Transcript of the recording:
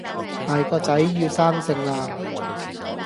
大個仔，要生性啦